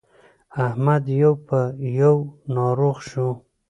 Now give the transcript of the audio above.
احمد يو په يو ناروغ شو.